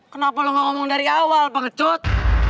kenapa lo ngomong dari awal pengecut